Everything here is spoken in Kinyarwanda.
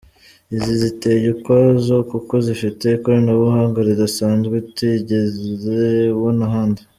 Izi ziteye ukwazo kuko zifite ikoranabuhanga ridasanzwe utigeze ubona ahandi.